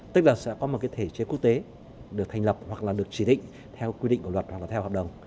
tức là sẽ có một cái thể chế quốc tế được thành lập hoặc là được chỉ định theo quy định của luật hoặc là theo hợp đồng